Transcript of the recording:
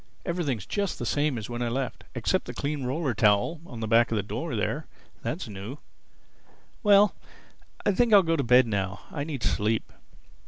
Everything's just the same as when I left—except the clean roller towel on the back of the door there—that's new—Well, I think I'll go to bed now. I need sleep."